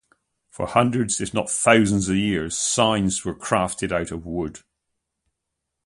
For hundreds, if not thousands, of years signs were crafted out of wood.